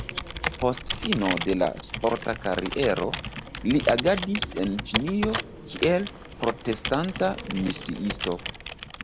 Post fino de la sporta kariero, li agadis en Ĉinio kiel protestanta misiisto.